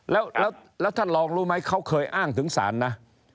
แล้วท่านรองรู้ไหมเขาเคยอ้างถึงศาลนะ